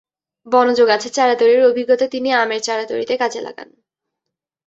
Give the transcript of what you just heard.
বনজ গাছের চারা তৈরির অভিজ্ঞতা তিনি আমের চারা তৈরিতে কাজে লাগান।